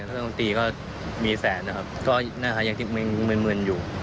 ต้องตีก็มีแสนนะครับก็นะคะยังมืนอยู่